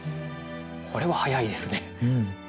これは速いですね。